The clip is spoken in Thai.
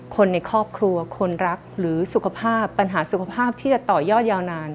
คนในครอบครัวคนรักหรือสุขภาพปัญหาสุขภาพที่จะต่อยอดยาวนาน